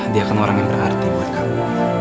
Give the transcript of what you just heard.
dia kan orang yang berarti buat kamu